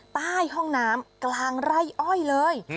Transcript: ใต้ห้องน้ำกลางไร่อ้อยเลย